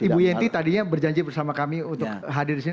ibu yenti tadinya berjanji bersama kami untuk hadir disini